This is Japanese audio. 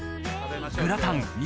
グラタン肉